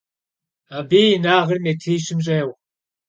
Abı yi lhagağır mêtrişım ş'êğu.